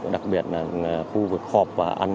đặc biệt là khu vực họp